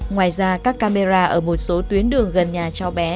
ngoài ra các camera ở một số tuyến đường gần nhà cháu bé